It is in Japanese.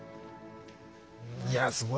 いやすごい。